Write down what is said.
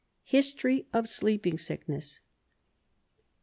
History of Sleeping Sickness.